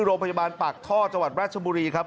โรงพยาบาลปากท่อจังหวัดราชบุรีครับ